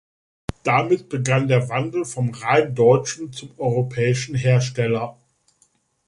Damit begann der Wandel vom rein deutschen zum europäischen Hersteller.